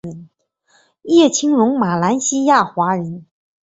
叶清荣马来西亚华人。